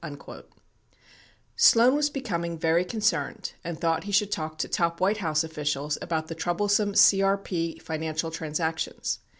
65 Sloan was becoming very concerned and thought he should talk to top "White House officials about the troublesome CRP financial trans actions.